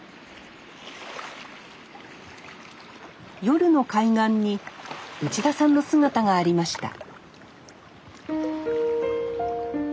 夜の海岸に内田さんの姿がありました